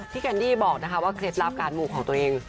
พี่แคนดี้บอกว่าเคล็ดลาบการหมู่ของตัวเอง